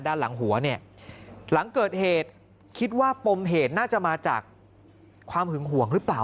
ด้านหลังหัวเนี่ยหลังเกิดเหตุคิดว่าปมเหตุน่าจะมาจากความหึงห่วงหรือเปล่า